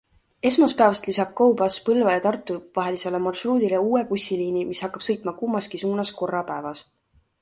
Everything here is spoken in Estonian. Esmaspäevast lisab Go Bus Põlva ja Tartu vahelisele marsruudile uue bussiliini, mis hakkab sõitma kummaski suunas korra päevas.